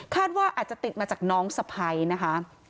ว่าอาจจะติดมาจากน้องสะพัยนะคะ